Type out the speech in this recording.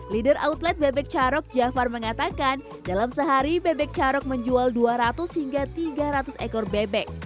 leader outlet bebek carok jafar mengatakan dalam sehari bebek carok menjual dua ratus hingga tiga ratus ekor bebek